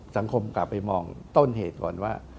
สังคมกลับไปมองต้นเหตุก่อนว่า